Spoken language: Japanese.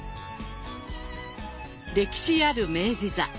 歴史ある明治座。